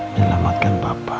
bapak akan apa apa